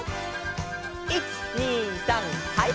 １２３はい！